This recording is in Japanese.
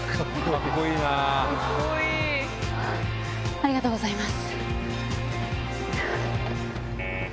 ありがとうございます。